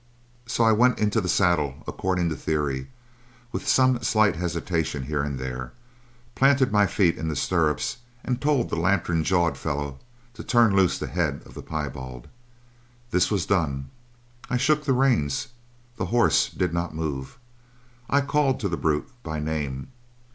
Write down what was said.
So I went into the saddle according to theory with some slight hesitations here and there, planted my feet in the stirrups, and told the lantern jawed fellow to turn loose the head of the piebald. This was done. I shook the reins. The horse did not move. I called to the brute by name.